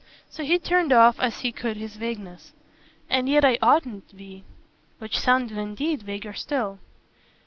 So he turned off as he could his vagueness. "And yet I oughtn't to be." Which sounded indeed vaguer still.